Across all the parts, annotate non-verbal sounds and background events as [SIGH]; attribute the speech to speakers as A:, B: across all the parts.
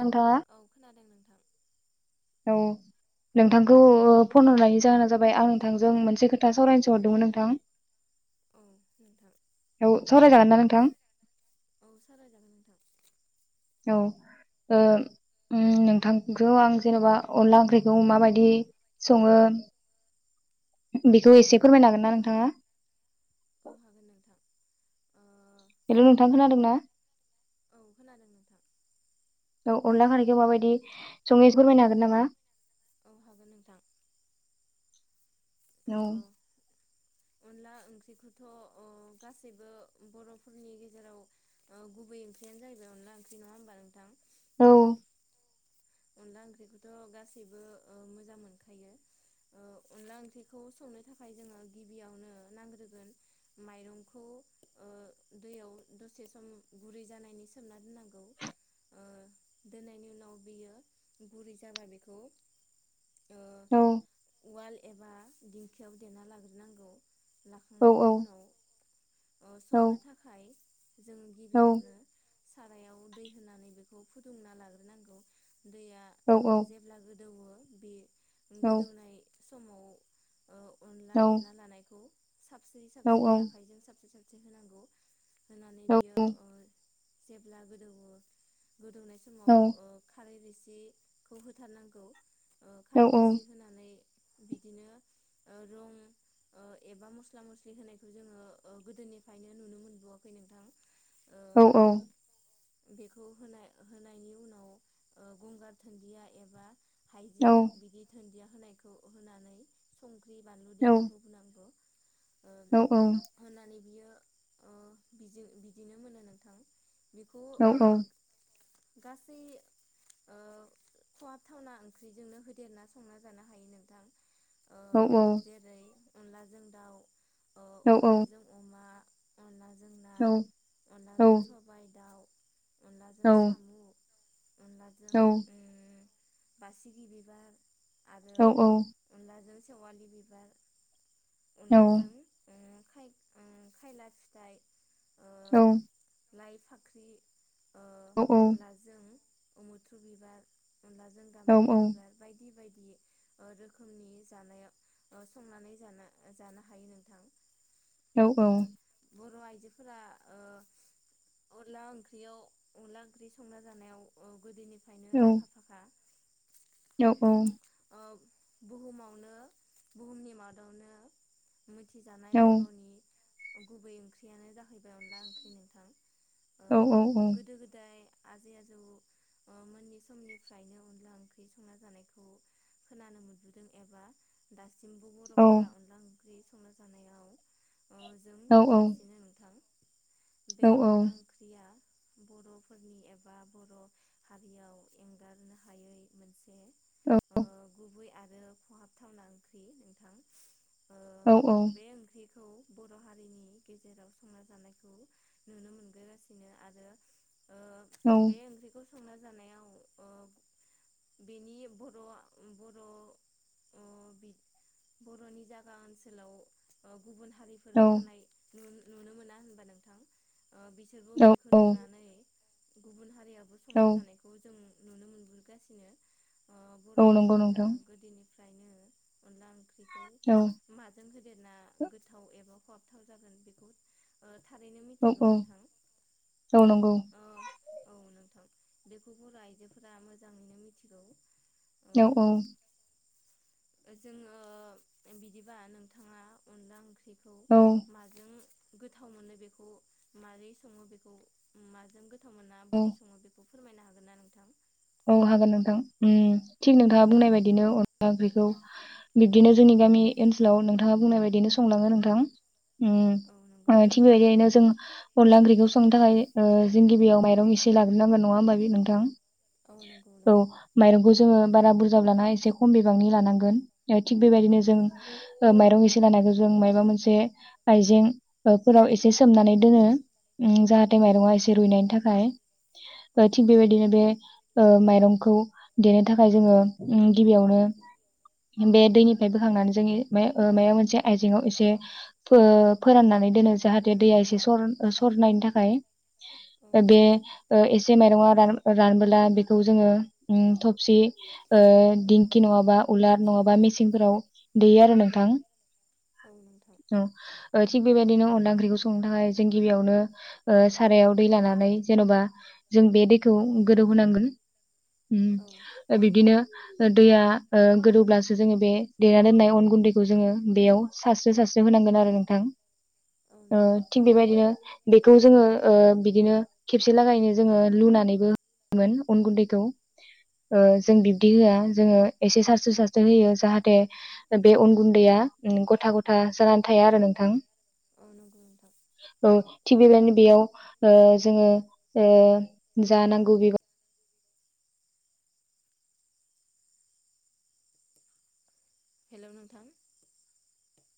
A: नोंथाङा
B: औ खोनादों नों
A: औ नोंथांखौ फन हरनायनि जाहोना जाबाय आं नोंथांजों मोनसे खोथा सावरायनो सो हरदोंमोन नोंथां
B: औ नोंथां
A: औ सावरायजागोन ना नोंथां
B: औ सावराय जागोन नोंथां
A: औ ओ अम नोंथांखौ आं जेनेबा अनला ओंख्रिखौ माबायदि सङो बेखौ एसे फोरमायनो हागोन ना नोंथाङा
B: औ हागोन नोंथां ओ
A: हेलौ नोंथां खोनादों ना
B: औ खोनादों नोंथां
A: औ अनला खारैखौ माबायदि सङो एसे फोरमायनो हागोन नामा
B: औ हागोन नोंथां ओ
A: औ
B: अनला ओंख्रिखौथ' गासैबो बर'फोरनि गेजेराव गुबै ओंख्रियानो जाहैबाय अनला ओंख्रि नङा होनबा नोंथां
A: औ
B: अनला ओंख्रिखौथ' गासैबो मोजां मोनखायो ओ अनला ओंख्रिखौ संनो थाखाय जोंङो गिबियावनो नांग्रोगोन माइरंखौ दैयाव दसे सम गुरै जानायनि सोमना दोननांगौ ओ दोननायनि उनाव बियो गुरै जाबा बेखौ ओ
A: औ
B: उवाल एबा दिंखियाव देना लाग्रोनांगौ
A: औ
B: लाखांनायनि उनाव ओ
A: औ
B: संनो थाखाय जों
A: औ
B: गिबियावनो सारायाव दै होनानै बेखौ फुदुंना लाग्रोनांगौ दैया
A: औ औ
B: जेब्ला गो गोदोवो बे
A: औ
B: गोदौनाय समाव ओ अनला देना लानायखौ साबस्रि
A: औ
B: साबस्रि आखाइजों साबसिरि होनांगौ होनानै बियो
A: औ
B: ओ जेब्ला गोदौओ गोदौनाय समाव ओ खारै रो सिखौ होथारनांगौ।
A: औ
B: खारै रोसि होनानै बिदिनो रं एबा मस्ला मस्लि होनायखौ जोङो गोदोनिफ्रायनो नुनो मोनबोआखै नोंथां। ओ
A: औ औ
B: बेखौ होनाय होनायनि उनाव गंगार दुन्दिया एबा हाइजें बिदि दुन्दिया [UNINTELLIGIBLE] होनानै संख्रि बानलु देना होबोनांगौ। ओ
A: औ औ
B: होनानै बियो ओ बिदिनो मोनो नोंथां बेखौ
A: औ
B: ओ
A: औ
B: गासै ओ खहाब थावना ओंख्रिजोंनो होदेरना संना जानो हायो नोंथां। ओ
A: औ औ
B: जेरै अनलाजों दाउ ओ
A: औ औ
B: जोंना
A: औ
B: अनलाजों सबाय दाउ अनलाजों सामु
A: औ
B: बासिगि बिबार आरो
A: औ औ नंगौ
B: अनला जों सेवालि बिबार
A: औ
B: अनलाजों ओ खाय उ खायला फिथाइ ओ
A: औ
B: लाइ फाख्रि अ अनला जों मुत्रु बिबार अनलाजों गाम्बारि बिबार बायदि बायदि बि ओ रोखोमनि जानाया ओ संनानै जानो जानो हायो नोंथां
A: औ औ
B: बर आइजोफोरा अनला ओंख्रियाव अनला ओंख्रि संना जानायाव गोदोनिफ्राय फायनो आखा फाखा
A: औ औ
B: ओ बुहुमावनो बुहुमनि मादावनो मिथिजानाय बरनि गुबै ओंख्रियानो जाहैबाय अनला ओंख्रि नोंथां ओ गोदो गोदाय आजै आजौ मोननि समनिफ्रायनो अनला ओंख्रि संना जानायखौ खोनानो मोनबोदों एबा दा सिम्बु बरफोरा अनला ओंख्रि संना जानायाव अ जों नुगासिनो नोंथां बे अनला ओंख्रिया बरफोरनि एबा बर हारियाव एंगारनो हायै मोनसे
A: औ
B: गुबै आरो खहाबथावना ओंख्रि नोंथां
A: औ औ
B: खौ बर हारिनि गेजेराव संना जानायखौ नुनो मोनबोगासिनो आरो ओ
A: औ
B: बे ओंख्रिखौ संना जानायाव ओ बेनि बर बर अ बि बरनि जागा ओनसोलाव गुबुन हारिफोर थानाय नुनो मोना होनबा नोंथां ओ बिसोरबो बेखौ नुनानै गुबुन हारियाबो संना जानायखौ जों नुनो मोनबोगासिनो ओ
A: औ
B: बर' आइजोफोरा गोदोनि फ्रायनो अनला ओंख्रि
A: औ
B: जों होदेरना गोथाव एबा खाहाबथाव जागोन बेखौ ओ थारैनो मिथिगौ नोंथां अ औ नोंथां बेखौ बर' आइजोफोरा मोजाङैनो मिथिगौ
A: औ औ
B: ओ जोङो बिदिबा नोंथाङा अनला ओंख्रि खौ माजों गोथाव मोनो बेखौ मारै सङो बेखौ माजों गोथ थावमोना बोरै सङो बेखौ फोरमायनो हागोन ना नोंथां
A: औ हागोन नोंथां ओम थिग
B: औ
A: नोंथाङा बुंनायबायदिनो अन ला ओंख्रैखौ बिब्दिनो जोंनि गामि ओनसोलाव नोंथाङा बुंनाय बायदिनो संलाङो नोंथां उम
B: औ नंगौ
A: ओ
B: नोंथां
A: थिग बेबायदिनो जों अनला ओंख्रिखौ संनो थाखाय ओ जों गिबियाव माइरं एसे लाग्रोनांगोन नङा होनबा नोंथां
B: औ नंगौ
A: औ
B: नंगौ
A: माइरंखौ जोङो बारा बुरजाबो लानाङा एसे खम बिबांनि लानांगोन थिग बेबायदिनो जों
B: औ
A: ओ माइरं एसे लानायखौ जों मायबा मोनसे आइजें ओ फोराव एसे सोमनानै दोनो ओम जाहाथे
B: औ
A: माइरंआ एसे रुइनायनि थाखाय
B: औ
A: ओ थिग बेबायदिनो बे ओ माइरंखौ देनो थाखाय जोङो ओम गिबियावनो बे दैनिफ्राय बोखांनानै जोंनि माया ओ मायाव मोनसे आयजेंआव एसे फो फोराननानै दोनो जाहाथे दैया एसे सर सरनायनि थाखाय
B: औ
A: ओ बे
B: नोंथां
A: ओ एसे माइरंआ रान ओ बोला बेखौ जोङो ओम थबसि ओ दिंखि नङाबा उलार नङाबा मेसिंफोराव देयो आरो नोंथां
B: औ नोंथां
A: ओम ओ थिग बेबायदिनो अनला ओंख्रिखौ संनो थाखाय जों गिबियावनो ओ सारायाव दै लानानै जेन'बा जों बे दैखौ गोदौ होनांगोन ओम
B: औ
A: ओ बिदिनो दैया ओ गोदौब्लासो जोङो बे देना दोननाय अन गुन्दैखौ जोङो बेयाव सास्रो सारस्रो होनांगोन आरो नोंथां
B: औ
A: ओ
B: नंगौ नोंथां
A: थिग बेबायदिनो बेखौ जोङो ओ बिदिनो खेबसे लागायैनो जोङो लुनानैबो मोन अन गुन्दैखौ ओ
B: औ
A: जों बिब्दि होआ जोङो एसे सारस्रो सारस्रो होयो जाहाथे बे अन गुन्दैया ओम गथा गथा जानानै थाया आरो नोंथां। औ
B: [UNINTELLIGIBLE]
A: थिग बेबादिनो बेयाव ओ जोङो ओ जानां गौ [UNINTELLIGIBLE]
B: हेलौ नोंथां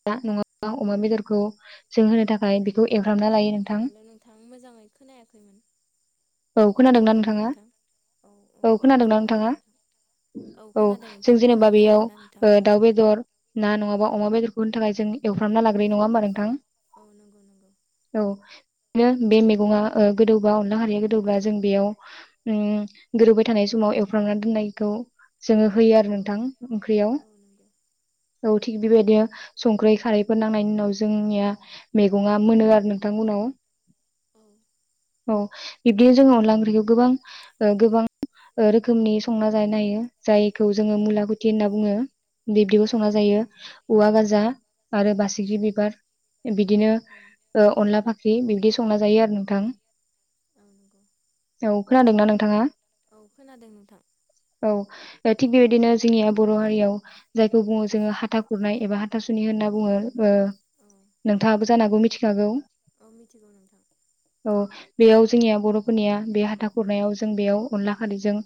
A: दा नङाबा अमा बेदरखौ जों होनो थाखाय बेखौ एंफ्रामना लायो नों
B: हेलौ नोंथां मोजाङै खोनायाखैमोन
A: औ
B: बुंफिननो
A: खोनादोंना
B: हागोन ना
A: नोंथाङा
B: नोंथां औ औ दासो
A: खोनादोंना
B: खोनादों
A: नोंथाङा
B: नोंथां औ खोनादों
A: जों
B: नोंथां
A: जेनेबा
B: बुंफैनो
A: बेयाव
B: हागोना नोंथां
A: ओ दाउ बेदर ना नङाबा अमा बेदर खुन होनो थाखाय जों एवफ्रामना लाग्रोयो नङा होमबा
B: औ नंगौ नंगौ
A: नोंथां औ [UNINTELLIGIBLE] बे मैगङा ओ गोदौबा अनला खारिया गोदौबा जों बेयाव उम गोदौबाय थानाय समाव एवफ्रामना दोननायखौ जोङो होयो आरो नोंथां ओंख्रियाव
B: औ नंगौ
A: औ थिग बेबायदिनो संख्रै खारैफोर नांनायनि उनाव जोंनिया मैगङा मोनो आरो नोंथां उनाव
B: औ
A: औ बिब्दिनो जोङो अनला ओंख्रिखौ गोबां ओ गोबां ओ रोखोमनि संना जानो हायो जायखौ जोङो मुलाखुथि होनना बुङो
B: औ
A: बिब्दिबो संना जायो औवा गाज आरो
B: औ
A: बासिग्रि बिबार बिदिनो ओ अनला फाख्रि बिब्दि संना जायो आरो नोंथां।
B: औ नंगौ
A: औ खोनादों ना नोंथाङा?
B: औ खोनादों नोंथां।
A: ओ थिग बेबायदिनो जोंनिया बर' हारियाव जायखौ बुङो जोङो हाथा खुरनाय एबा थासुनि होनना
B: औ
A: बुङो ओ
B: औ
A: नोंथाङाबो जानो हागौ मिथिखागौ।
B: औ मिथिगौ नोंथां।
A: औ बेयाव जोंनिया बर'फोरनिया बे हाथा खुरनायाव जों बेयाव अनला खारैजों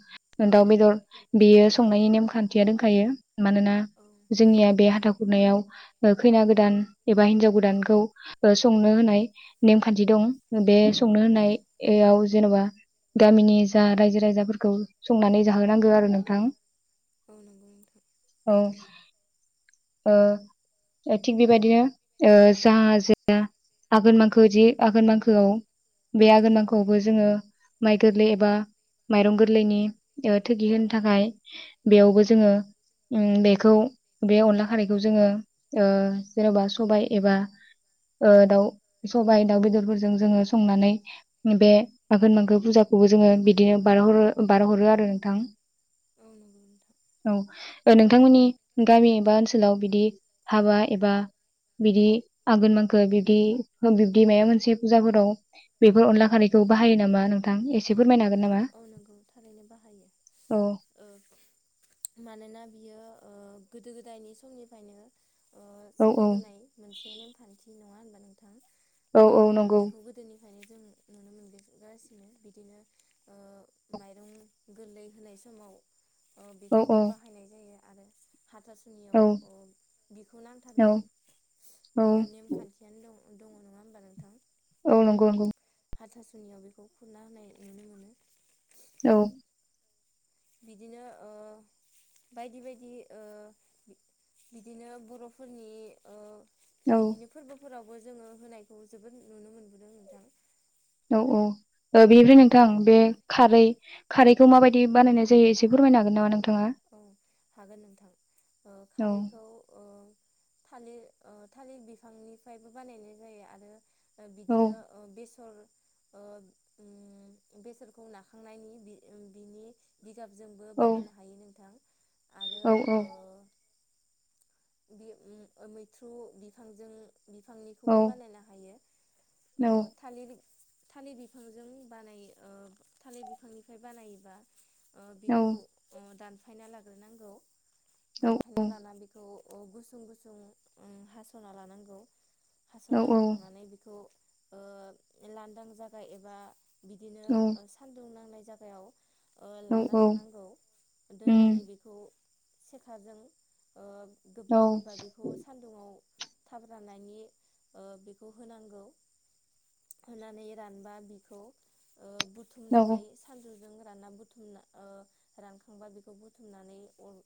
A: दाउ बेदर बेयो संनायनि नेमखान्थिया दोंखायो। मानोना
B: औ
A: जोंनिया बे हाथाख [UNINTELLIGIBLE] ओ खैना गोदान एबा हिनजाव गोदानखौ ओ संनो होननाय नेमखान्थि दं। बे संनो
B: औ
A: होनायाव एयाव जेनेबा गामिनि जा रायजो राजाफोरखौ संनानै जाहोनांगो आरो नोंथां।
B: औ नोंगौ नोंथां।
A: औ ओ ओ थिग बेबायदिनो ओ [UNINTELLIGIBLE] आघोन मांखो जि आघोन मांखोआव बे आघोन मांखोआवबो जोङो माइ गोरलै एबा माइरं गोरलैनि ओ थोगि होनो थाखाय बेयावबो जोङो उम बेखौ बे अनला खारैखौ जोङो ओ जेन'बा सबाय एबा ओ दाव सबाय दाव बेदरफोरजों जोङो संनानै बे आघोन मांखो पुजाखौ जोङो बिदिनो बारहरो बारहरो आरो नोंथां।
B: औ नंगौ नोंथां
A: औ ओ नोंथांमोननि गामि एबा ओनसोलाव बिदि हाबा एबा बिदि आगोन मांखो बिब्दि बिब्दि माया मोनसे फुजाफोराव बेफोर अनला खारानायखौ बाहायो नामा नोंथां, एसे फोरमायनो हागोन? नामा
B: औ नोंगौ थारैनो बाहायो
A: औ
B: ओ मानोना बियो ओ गोदो गोदायनि समनिफायनो ओ
A: औ औ
B: सोलिबोनाय मोनसे नेमखान्थि नङा होनबा? नोंथां
A: औ औ नंगौ।
B: खायनो जों नुनो मोनग गासिनो बिदिनो ओ माइरं गोरलै होनाय समाव ओ
A: औ
B: बेखौ
A: औ
B: बाहायनाय जायो। आरो हाथासुनियाव
A: औ
B: अ बिखौ
A: औ
B: नांथारगौ
A: औ
B: ओ नेमखान्थियानो दं दङ नङा होमबा नोंथां?
A: औ नंगौ नगौ।
B: हाथासुनियाव बेखौ खुरना होनाय नुनो मोनो।
A: औ।
B: बिदिनो ओ बायदि बायदि ओ बिदिनो बर'फोरनि ओ
A: औ
B: बिदिनो फोरबोफोराव बो जोङो होनायखौ जोबोद नुनो मोनबोदों नोंथां।
A: औ औ ओ बेनिफ्राय नोंथां बे खारै खारैखौ माबायदि बानायनाय जायो एसे फोरमायनो हागोन नामा नों
B: औ हागोन नोंथां ओ
A: औ
B: खारैखौ ओ थालिर ओ थालिर बिफांनिफ्रायबो बानायनाय जायो। आरो
A: औ
B: बिदिनो ओ बे सर ओ ओम बेसरखौ नाखांनायनि बि ओम बिनि जिगाबजोंबो
A: औ
B: बानायनो हायो नों थां। आरो
A: औ औ
B: बि उम मैथ्रु बिफांजों
A: औ
B: बिफांनिखौबो बानायनो हायो। ओ
A: औ
B: थालिर थालिर बिफांजों बानायो ओ थालिर बिफांनिफ्राय बानायोबा ओ बिखौ
A: औ
B: ओ दान फायना लाग्रोनांगौ। दानफना
A: औ
B: लाना बेखौ औ गुसुं गुसुं हास'ना लानांगौ।
A: औ
B: हास'ना
A: औ
B: लाखांनानै बेखौ ओ लांदां जागा एबा बिदिनो सान्दुं नांनाय जागायाव ओ लाना थांनांगौ
A: उम
B: दोननानै बेखौ सेखाजों ओ
A: औ
B: गोबा गोबा बेखौ सान्दुुआव थाब राननायनि ओ बेखौ होनांगौ होनानै रानबा बिखौ ओ बुथुमनानै सानदुजों रानना बुथुमना ओ रानखांबा बेखौ बुथुमनानै अर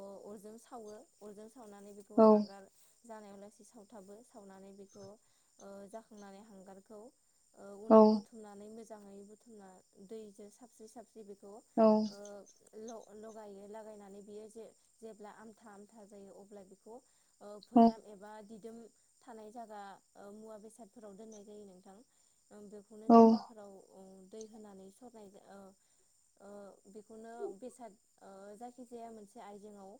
B: अरजों सावो। अरजों सावनानै बेखौ
A: औ
B: हांगार जानायावलासे सावथाबो सावनानै बेखौ ओ जाखांनानै हांगारखौ ओ उनाव
A: औ
B: बुथुमनानै मो जाङै बुथुमना दैजों साबस्रि साबस्रि बेखौ
A: औ
B: ओ ल-लगायो लागायनानै बियो जे-जेब्ला आमथाम आम था जायो अब्ला बेखौ ओ
A: औ
B: फोयाम एबा दिदोम थानाय जागा ओ मुवा बेसादफोराव दोननाय जायो नोंथां। ओ बेखौनो
A: औ
B: मैगंफोराव दै होनानै सरनाय ओ ओ बेखौनो बेसाद ओ जायखिजाया मोनसे आयजेंआव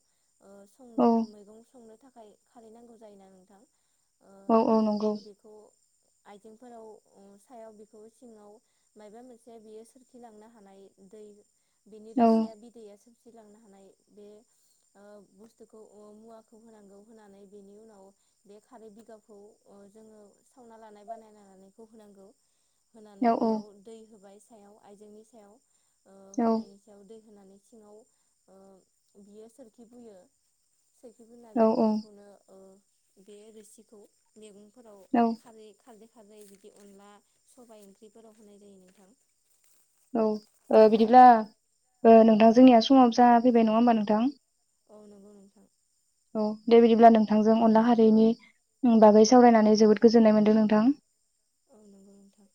B: ओ सं
A: औ
B: मैगं संनो थाखाय खारै नांगौ जायोना नोंथां।
A: औ
B: ओ
A: औ नंगौ
B: बेखौ आइजेंफोराव सायाव बिखौ सिङाव मायाबा मोनसे बियो सोरखिलांनो हानाय दै बिनि
A: औ
B: रोसिया बिदैयासो फसिलांनो हानाय बे बुस बुस्थुखौ मुवाखौ होनांगौ होनानै बेनि उनाव बे खारै बिगाबखौ ओ जोङो सावना लानाय बानायनानैखौ होनांगौ।
A: औ
B: होनानै बेयाव दै होबाय सायाव आइजेंनि सायाव ओ
A: औ
B: होनायनि सायाव दै होनानै सिङाव ओ बियो सोरखि बुयो सोरखिबोनाय बे
A: औ
B: बिदैखौनो ओ बे रोसिखौ मेगं फोराव
A: औ
B: खारै खारदै खारै बिदि अनला सबायाइ ओंख्रिफोराव होनाय जायो नोंथां
A: औ ओ बिदिब्ला ओ नोंथां जोंनिया समाबो जा फैबाय नङा होमबा नोंथां
B: औ नंगौ नोंथां
A: अ दे बिदिब्ला नोंथांजों अनला खारैनि बागै सावरायनानै जोबोद गोजोननाय मोनदों नोंथां
B: ओ नंगौ नोंथां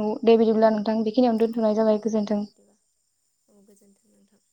A: औ दे बिदिब्ला नोंथां बेखिनियावनो दोंन
B: औ दे बिदिबा औ गोजोन्थों नोंथां।